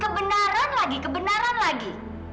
kebenaran lagi kebenaran lagi